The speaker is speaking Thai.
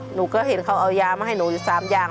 หนูก็เห็นเขาเอายามาให้หนูอยู่๓อย่าง